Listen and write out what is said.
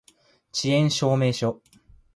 遅延証明書